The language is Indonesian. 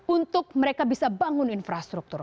untuk mereka bisa bangun infrastruktur